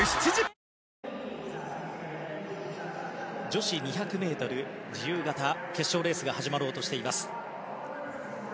女子２００ｍ自由形決勝のレースが始まろうとしています。